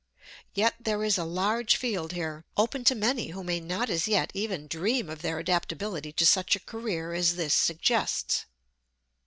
Yet there is a large field here, open to many who may not as yet even dream of their adaptability to such a career as this suggests.